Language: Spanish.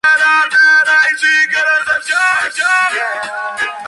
Sewell fue la primera mujer negra elegida para el Congreso por Alabama.